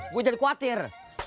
gue jadi khawatir